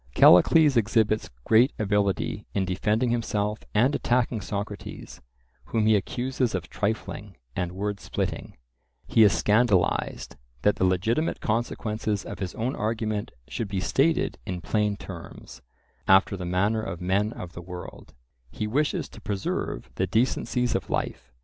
Callicles exhibits great ability in defending himself and attacking Socrates, whom he accuses of trifling and word splitting; he is scandalized that the legitimate consequences of his own argument should be stated in plain terms; after the manner of men of the world, he wishes to preserve the decencies of life.